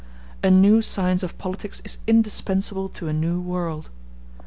A new science of politics is indispensable to a new world.